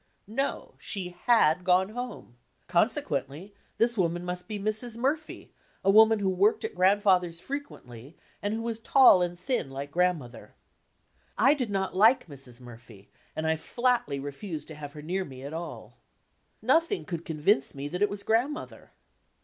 No! She had gone home. Consequendy, this woman must be Mn. Murphy, a woman who worked at Grandfa ther's frequendy, and who was tall and thin, like Grand mother. I did not like Mrs. Murphy and I Bady refused to have her near me at all. Nothing could convince me that it was Grandmother.